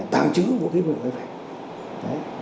tàn trữ vũ khí